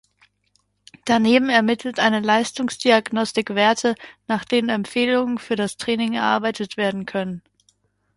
Daneben ermittelt eine Leistungsdiagnostik Werte, nach denen Empfehlungen für das Training erarbeitet werden können.